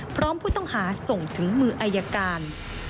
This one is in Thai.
พร้อมผู้ต้องหาส่งถึงมืออายการ